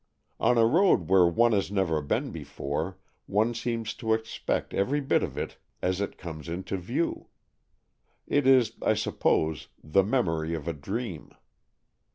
On a road where one has never been before, one seems to expect every bit of it as it comes into view. It is, I suppose, the memory of a dream.